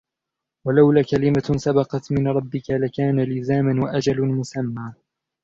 ولولا كلمة سبقت من ربك لكان لزاما وأجل مسمى